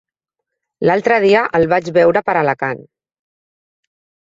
L'altre dia el vaig veure per Alacant.